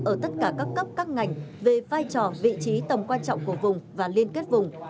ở tất cả các cấp các ngành về vai trò vị trí tầm quan trọng của vùng và liên kết vùng